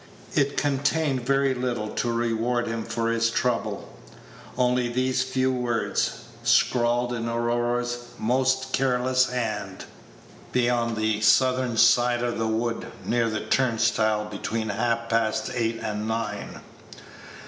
It contained very little to reward him for his trouble only these few words, scrawled in Aurora's most careless hand: "Be on the southern side of the wood, near the turnstile, between half past eight and nine."